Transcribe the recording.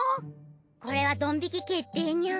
これはドン引き決定ニャン。